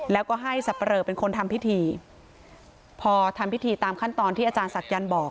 แล้วก็ให้สับปะเรอเป็นคนทำพิธีพอทำพิธีตามขั้นตอนที่อาจารย์ศักยันต์บอก